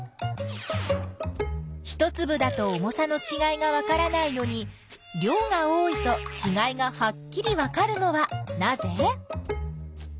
一つぶだと重さのちがいがわからないのに量が多いとちがいがはっきりわかるのはなぜ？